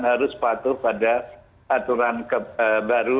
harus patuh pada aturan baru